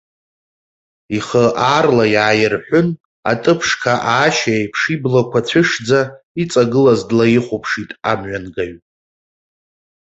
Ихы аарла иааирҳәын, атыԥшқа аашьа аиԥш иблақәа цәышӡа, иҵагылаз длаихәаԥшит амҩангаҩ.